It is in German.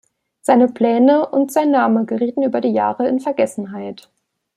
Seine Pläne und sein Name gerieten über die Jahre in Vergessenheit.